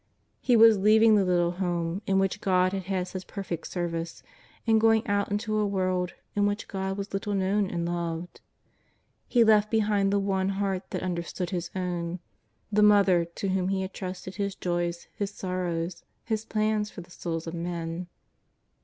He was leaving the little home in which God had had such per fect service, and going out into a world in which God was little known and loved. He left behind the one heart that understood His own, the Mother to whom He had trusted His joys, His sorrows. His plans for the Bouls of men.